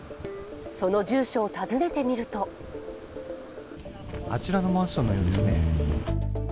その住所を訪ねてみるとあちらのマンションのようですね。